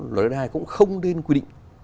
luật đại đai cũng không nên quy định